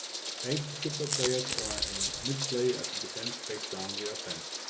Eight football players are in midplay as the defense takes down the offense.